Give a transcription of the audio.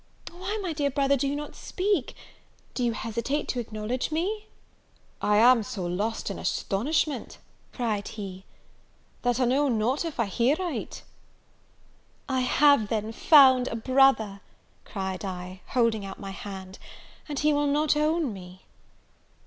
Why, my dear brother, do you not speak? do you hesitate to acknowledge me?" "I am so lost in astonishment," cried he, "that I know not if I hear right!" "I have, then, found a brother," cried I, holding out my hand, "and he will not own me!"